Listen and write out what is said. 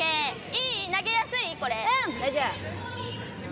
大丈夫。